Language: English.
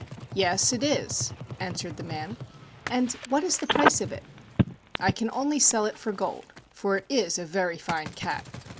"Yes, it is," answered the man. "And what is the price of it ?" "I can only sell it for gold, for it is a very fine cat."